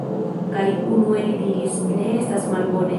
Kaj unue li diris: "Ne estas malbone".